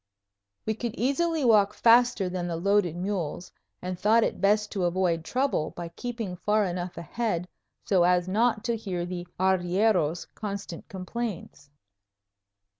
We could easily walk faster than the loaded mules, and thought it best to avoid trouble by keeping far enough ahead so as not to hear the arrieros' constant complaints.